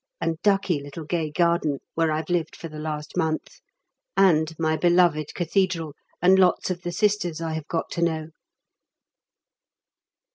and ducky little gay garden, where I've lived for the last month; and my beloved Cathedral, and lots of the Sisters I have got to know.